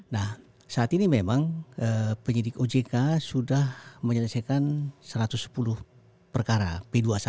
nah saat ini memang penyidik ojk sudah menyelesaikan satu ratus sepuluh perkara p dua puluh satu